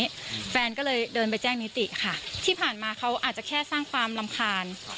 นี่แฟนก็เลยเดินไปแจ้งนิติค่ะที่ผ่านมาเขาอาจจะแค่สร้างความรำคาญ